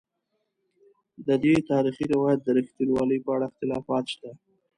ددې تاریخي روایت د رښتینوالي په اړه اختلافات شته.